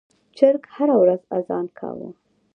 چرګ هره ورځ اذان کاوه.